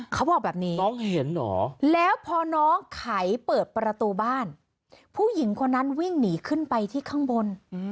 เขาบอกแบบนี้น้องเห็นเหรอแล้วพอน้องไขเปิดประตูบ้านผู้หญิงคนนั้นวิ่งหนีขึ้นไปที่ข้างบน